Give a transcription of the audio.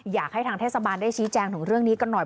อยากให้ทางเทศบาลได้ชี้แจงถึงเรื่องนี้กันหน่อย